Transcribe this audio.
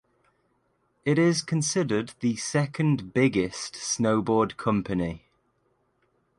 It is considered the second biggest snowboard company.